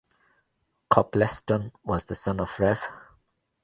Copleston was the son of Rev.